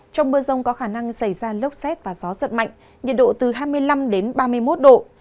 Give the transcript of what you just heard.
trong mưa rông có khả năng xảy ra lốc xét và gió giật mạnh nhiệt độ từ hai mươi năm đến ba mươi một độ